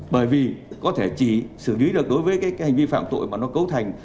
bởi vì có thể chỉ xử lý được đối với cái hành vi phạm tội mà nó cấu thành